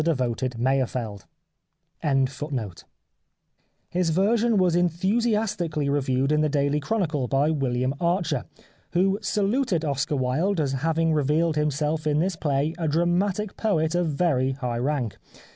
^ His version was enthusiastically reviewed in The Daily Chronicle by William Archer, who saluted Oscar Wilde as having revealed himself in this play a dramatic poet of very high rank.